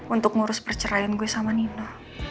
untuk ngurus perceraian gue sama nina